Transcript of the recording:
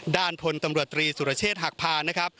ด้านพลตำรวจตรีสุรเชษฐ์หักพา